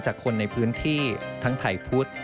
จากคนในพื้นที่ทั้งไทยพุทธ